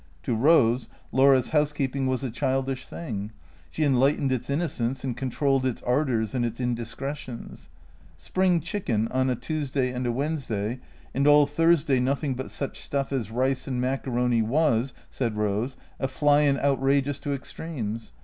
To Rose, Laura's house 318 THE CREATOES 319 keeping was a childish thing. She enlightened its innocence and controlled its ardours and its indiscretions. Spring chicken on a Tuesday and a Wednesday, and all Thursday nothing but such stuff as rice and macaroni was, said Eose, a flyin' out rageous to extremes.